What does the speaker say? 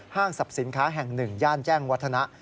ห้างศัพท์สินค้าแห่ง๑ย่านแจ้งวัฒนะ